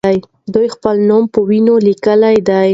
دوی خپل نوم په وینو لیکلی دی.